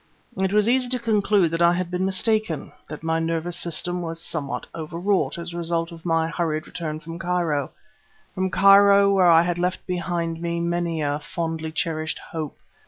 It was easy to conclude that I had been mistaken, that my nervous system was somewhat overwrought as a result of my hurried return from Cairo from Cairo where I had left behind me many a fondly cherished hope.